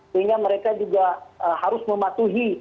sehingga mereka juga harus mematuhi